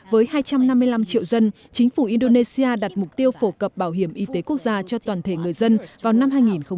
với hai trăm năm mươi năm triệu dân chính phủ indonesia đặt mục tiêu phổ cập bảo hiểm y tế quốc gia cho toàn thể người dân vào năm hai nghìn hai mươi